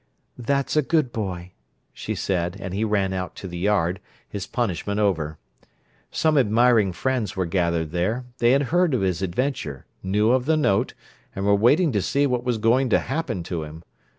"That's a good boy," she said, and he ran out to the yard, his punishment over. Some admiring friends were gathered there; they had heard of his adventure, knew of the note, and were waiting to see what was going to "happen" to him.